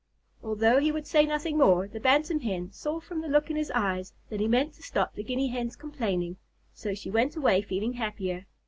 Although he would say nothing more, the Bantam Hen saw from the look in his eyes that he meant to stop the Guinea Hen's complaining, so she went away feeling happier.